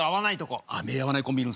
目合わないコンビいるんですね。